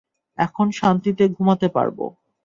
এখন শান্তিতে ঘুমাতে পারবো।